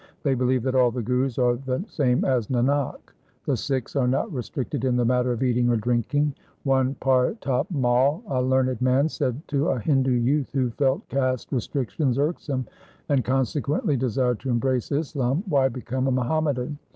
They believe that all the Gurus are the same as Nanak. The Sikhs are not restricted in the matter of eating or drinking. One Partap Mai, a learned man, said to a Hindu youth who felt caste restrictions irksome, and con sequently desired to embrace Islam, ' Why become a Muhammadan